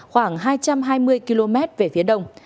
khoảng hai trăm hai mươi km về phía đông